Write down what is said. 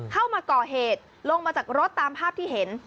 เข้ามาก่อเหตุลงมาจากรถตามภาพที่เห็น